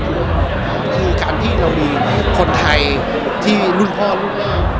แล้วก็เด็กมอเดิร์นรุ่นลูก